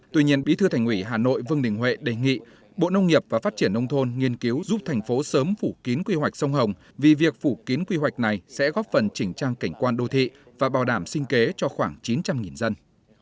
tuy nhiên bí thư thành ủy hà nội vương đình huệ đề nghị bộ nông nghiệp và phát triển nông thôn nghiên cứu giúp thành phố sớm phủ kín quy hoạch sông hồng vì việc phủ kiến quy hoạch này sẽ góp phần chỉnh trang cảnh quan đô thị và bảo đảm sinh kế cho khoảng chín trăm linh dân